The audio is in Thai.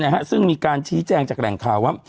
นะฮะซึ่งมีการชี้แจงจากแหล่งข่าวว่า